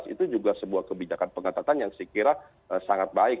itu juga sebuah kebijakan pengetatan yang saya kira sangat baik